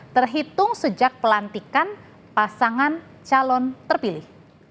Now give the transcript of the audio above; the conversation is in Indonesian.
terhitung sejak pelantikan pasangan calon terpilih